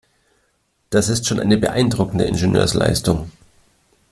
Das ist schon eine beeindruckende Ingenieursleistung.